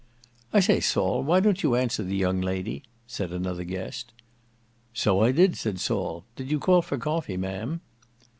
"I say, Saul, why don't you answer the young lady?" said another guest. "So I did," said Saul. "Did you call for coffee, Ma'am?"